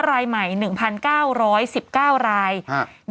รายใหม่๑๙๑๙ราย